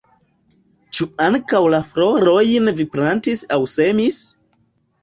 Ĉu ankaŭ la florojn vi plantis aŭ semis?